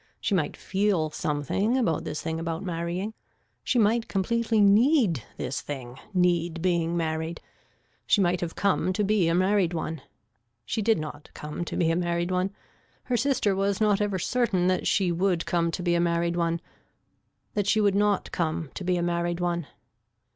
She might feel something about this thing about marrying. She might completely need this thing, need being married. She might have come to be a married one. She did not come to be a married one. Her sister was not ever certain that she would come to be a married one, that she would not come to be a married one.